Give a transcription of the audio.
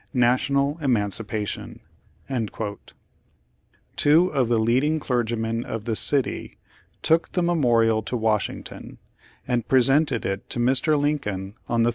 National emancipation." ^ Two of the leading clergymen of the city took the memorial to Washington, and presented it to Mr. Lincoln on the loth.